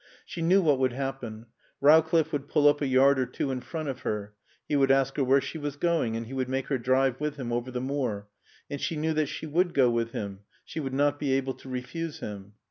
She knew what would happen. Rowcliffe would pull up a yard or two in front of her. He would ask her where she was going and he would make her drive with him over the moor. And she knew that she would go with him. She would not be able to refuse him.